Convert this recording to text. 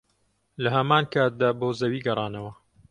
لەهەمانکاتدا بۆ زەوی گەڕانەوە